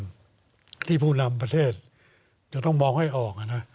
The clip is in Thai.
ที่มากกว่าที่ผู้นำประเทศจะต้องมองให้ออก